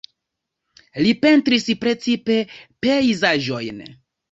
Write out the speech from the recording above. Li pentris precipe pejzaĝojn.